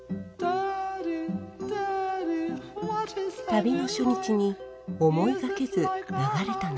旅の初日に思いがけず流れた涙